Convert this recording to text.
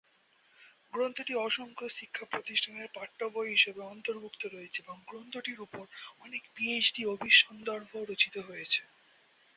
গ্রন্থটি অসংখ্য শিক্ষা প্রতিষ্ঠানের পাঠ্যবই হিসেবে অন্তর্ভুক্ত রয়েছে এবং গ্রন্থটির উপর অনেক পিএইচডি অভিসন্দর্ভ রচিত হয়েছে।